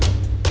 ya aku sama